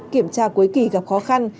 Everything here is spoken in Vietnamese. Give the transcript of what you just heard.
kiểm tra cuối kỳ gặp khó khăn